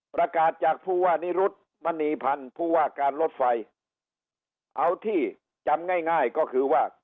ประกาศจากผู้ว่านิรุธมณีพันธ์ผู้ว่าการรถไฟเอาที่จำง่ายง่ายก็คือว่า